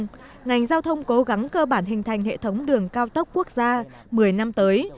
tuy nhiên ngành giao thông cố gắng cơ bản hình thành hệ thống đường cao tốc quốc gia một mươi năm tới